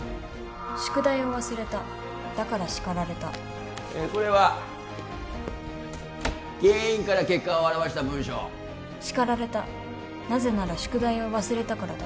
宿題を忘れただから叱られたこれは原因から結果を表した文章叱られたなぜなら宿題を忘れたからだ